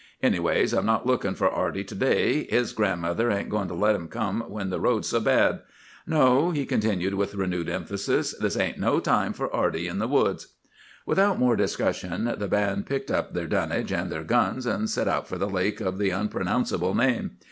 Anyways, I'm not lookin' for Arty to day. His grandmother ain't goin' to let him come when the road's so bad. No!' he continued with renewed emphasis, 'this ain't no time for Arty in the woods.' "Without more discussion the band picked up their dunnage and their guns, and set out for the lake of the unpronounceable name.